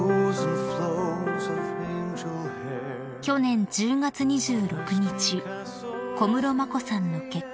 ［去年１０月２６日小室眞子さんの結婚